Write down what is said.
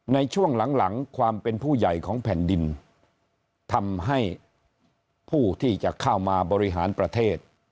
ในช่วงหลังหลังความเป็นผู้ใหญ่ของแผ่นดินทำให้ผู้ที่จะเข้ามาบริหารประเทศ